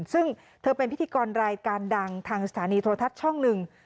ซึ่งเธอเป็นพิธีกรรายการดังทางสถานีโทรทัศน์ช่องหนึ่ง